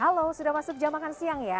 halo sudah masuk jam makan siang ya